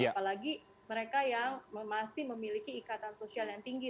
apalagi mereka yang masih memiliki ikatan sosial yang tinggi